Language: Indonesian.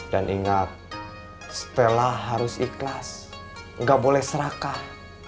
dan ingat stella harus ikhlas gak boleh serakah